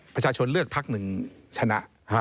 ประชาชนเลือกพักหนึ่งชนะ